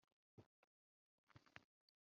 ati : ko ikomoka ino gishwekwa